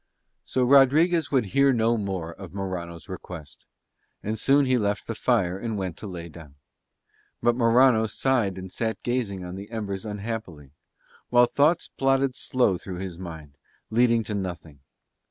So Rodriguez would hear no more of Morano's request; and soon he left the fire and went to lie down; but Morano sighed and sat gazing on into the embers unhappily; while thoughts plodded slow through his mind, leading to nothing.